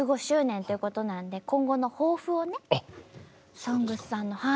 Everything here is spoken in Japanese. １５周年ということなんで今後の抱負をね「ＳＯＮＧＳ」さんの。